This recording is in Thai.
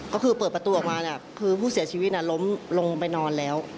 ก็เปิดประตูออกมาผู้เสียดชีวินนำล้มลงไปนอนแล้ว